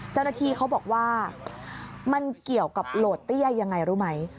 เจ้าหน้าที่เขาบอกว่ามันเกี่ยวกับโหลดเตี้ยยังไงรู้ไหม